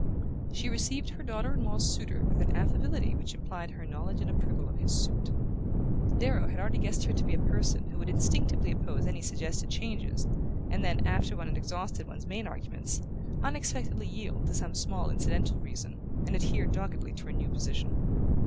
She received her daughter in law's suitor with an affability which implied her knowledge and approval of his suit. Darrow had already guessed her to be a person who would instinctively oppose any suggested changes, and then, after one had exhausted one's main arguments, unexpectedly yield to some small incidental reason, and adhere doggedly to her new position.